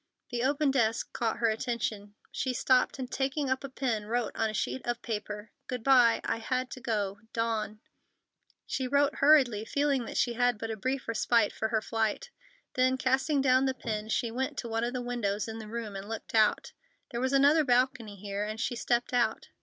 The open desk caught her attention. She stopped and, taking up a pen, wrote on a sheet of paper: Goodby. I had to go.—DAWN. She wrote hurriedly, feeling that she had but a brief respite for her flight. Then, casting down the pen, she went to one of the windows in the room and looked out. There was another balcony here, and she stepped out.